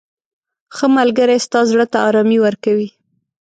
• ښه ملګری ستا زړه ته ارامي ورکوي.